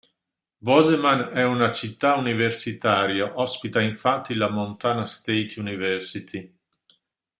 Bozeman è una città universitaria, ospita infatti la Montana State University.